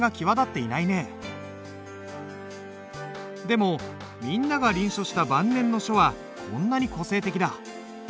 でもみんなが臨書した晩年の書はこんなに個性的だ。